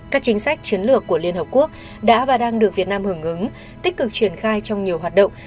các chính sách chiến lược của liên hợp quốc đã và đang được việt nam hưởng ứng tích cực triển khai trong nhiều hoạt động